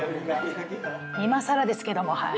今更ですけどもはい。